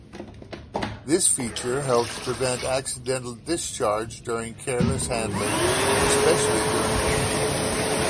This feature helps prevent accidental discharge during careless handling especially during cleaning.